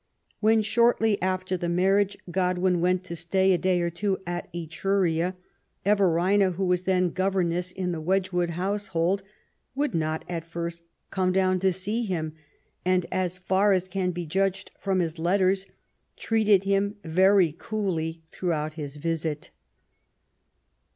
When, shortly after the marriage, Godwin went to stay a day or two at Etruria, Everina, who was then governess in the Wedgwood household, would not at first come down to see him, and, as far as can be judged from his letters, treated him very coolly throughout his visit.